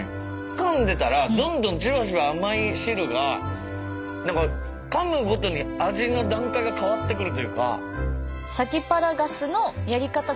かんでたらどんどんジュワジュワ甘い汁が何かかむごとに味の段階が変わってくるというか。